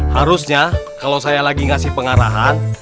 harusnya kalau saya lagi ngasih pengarahan